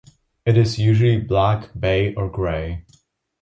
It is usually black, bay, or grey.